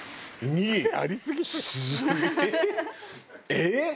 えっ？